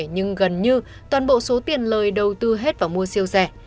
như toàn bộ số tiền lời đầu tư hết vào mua siêu rẻ